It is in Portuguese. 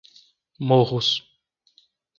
Morros